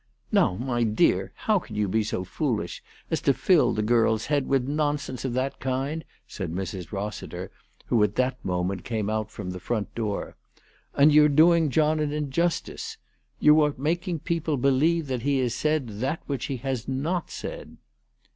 " Now, my dear, how can you be so foolish as to fill the girl's head with nonsense of that kind ?" said Mrs. Eossiter, who at that moment came out from the front door. " And you're doing John an injustice. You are making people believe that he has said that which he has not said."